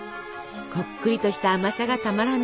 こっくりとした甘さがたまらない